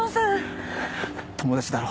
友達だろ？